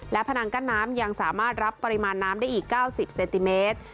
และพนังกั้นน้ำยังสามารถรับปริมาณน้ำได้อีก๙๐เซนติเมตร